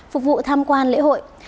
phục vụ tham quan lễ hội